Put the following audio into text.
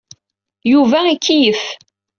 Yuba ikeyyef.